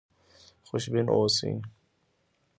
خوشبین اوسئ.